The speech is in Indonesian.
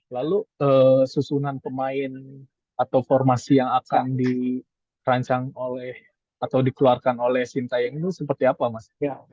lalu susunan pemain atau formasi yang akan dikularkan oleh sinta yang ini seperti apa mas